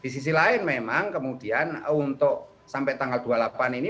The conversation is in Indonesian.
selain memang kemudian untuk sampai tanggal dua puluh delapan ini